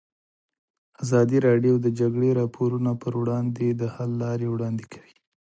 ازادي راډیو د د جګړې راپورونه پر وړاندې د حل لارې وړاندې کړي.